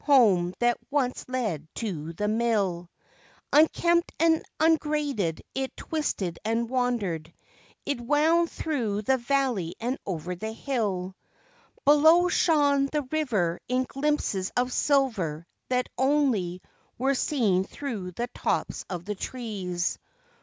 home that once led to the mill; r .^'■% Unkept and ungraded it twisted and wandered; it wound through the ,^__ valley and over the hill. Below shone the river in glimpses of silver that only were seen through the tops of the trees.